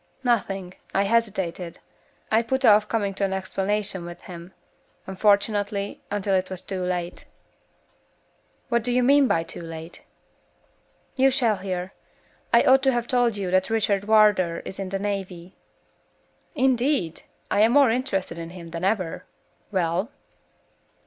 "Nothing. I hesitated; I put off coming to an explanation with him, unfortunately, until it was too late." "What do you mean by too late?" "You shall hear. I ought to have told you that Richard Wardour is in the navy " "Indeed! I am more interested in him than ever. Well?"